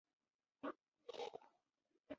山棕为棕榈科桄榔属下的一个种。